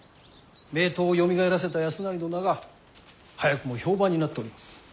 名刀をよみがえらせた康成の名が早くも評判になっております。